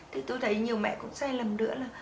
thì tôi thấy nhiều mẹ cũng sai lầm nữa là